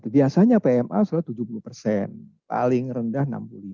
biasanya pma selalu tujuh puluh persen paling rendah enam puluh lima